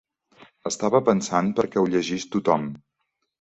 Estava pensat perquè ho llegís tothom.